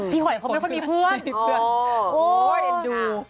พี่หอยเขาไม่ค่อยมีเพื่อนโอ้ยเอ็นดู